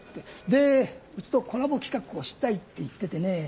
でうちとコラボ企画をしたいって言っててね。